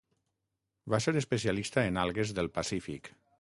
Va ser especialista en algues del Pacífic.